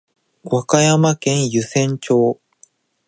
和歌山県湯浅町